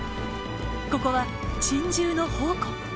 ここは珍獣の宝庫。